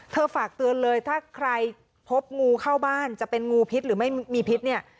ฝากเตือนเลยถ้าใครพบงูเข้าบ้านจะเป็นงูพิษหรือไม่มีพิษเนี่ย